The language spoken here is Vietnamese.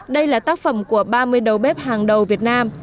đây là tác phẩm của ba mươi đầu bếp hàng đầu việt nam